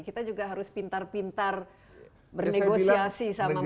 kita juga harus pintar pintar bernegosiasi sama mereka